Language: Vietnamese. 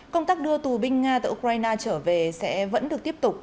công tác đưa tù binh nga từ ukraine trở về sẽ vẫn được tiếp tục